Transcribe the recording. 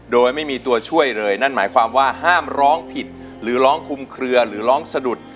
โดยไม่มีตัวช่วยเลยนั่นหมายความว่าห้ามร้องผิดหรือร้องคุมเคลือหรือร้องสะดุด